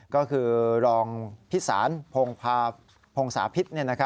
ก็คือรองพิสารพงศาพิษ